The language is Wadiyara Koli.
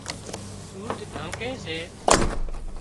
ۮُوڌ ڍانڪي سي